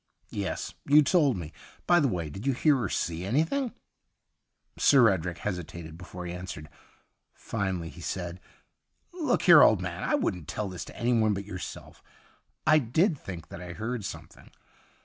' Yes, you told me. By the way, did you hear or see anything }' Sir Edric hesitated before he answered. Finally he said :' Look here, old man, I wouldn't tell this to anyone but yourself I did think that I heard something.